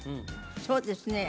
そうですね